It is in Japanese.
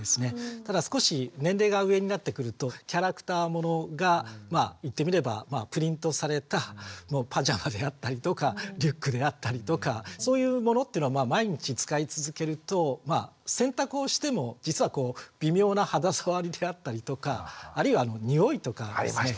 ただ少し年齢が上になってくるとキャラクターものがプリントされたパジャマであったりとかリュックであったりとかそういうものっていうのは毎日使い続けると洗濯をしても実は微妙な肌触りであったりとかあるいはにおいとかですね